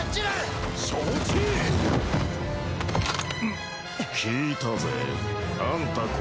あんた